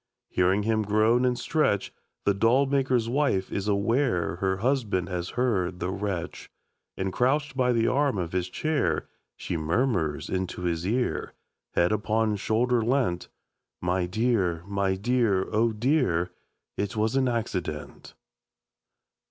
Hearing him groan and stretch The doll maker's wife is aware Her husband has heard the wretch, And crouched by the arm of his chair, She murmurs into his ear, Head upon shoulder leant: 'My dear, my dear, oh dear, It was an accident.'